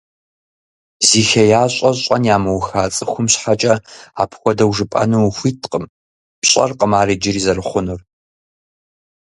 Зи хеящӀэ щӀэн ямыуха цӀыхум щхьэкӀэ апхуэдэу жыпӀэну ухуиткъым, пщӀэркъым ар иджыри зэрыхъунур.